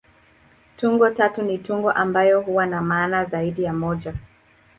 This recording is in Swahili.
Tungo tata ni tungo ambayo huwa na maana zaidi ya moja.